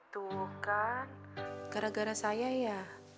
tuh kan gara gara saya ya